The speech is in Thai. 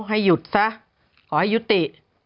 ให้หยุดซะขอให้ยุติ